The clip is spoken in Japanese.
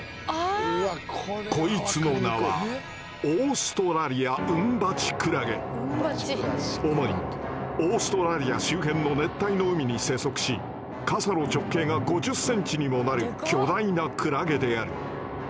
こいつの名は主にオーストラリア周辺の熱帯の海に生息し傘の直径が５０ｃｍにもなる巨大なクラゲである。